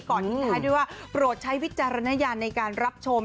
ทิ้งท้ายด้วยว่าโปรดใช้วิจารณญาณในการรับชม